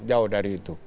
jauh dari itu